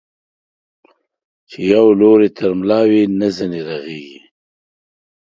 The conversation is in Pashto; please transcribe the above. چي يو لور يې تر ملا وي، نه ځيني رغېږي.